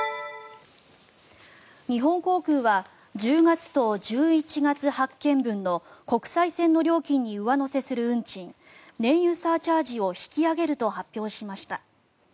日本航空は１０月と１１月発券分の国際線の料金に上乗せする運賃燃油サーチャージを引き上げると発表しました。